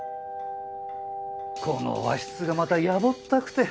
この和室がまたやぼったくて。